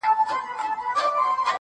شرنګولي مي د میو ګیلاسونه -